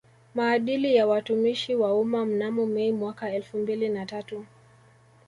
Maadili ya Watumishi wa Umma mnamo Mei mwaka elfumbili na tatu